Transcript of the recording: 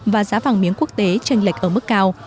và giá vàng miếng quốc tế tranh lệch ở mức cao